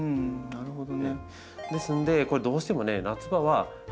なるほど。